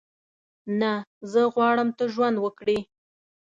نه، زه غواړم ته ژوند وکړې.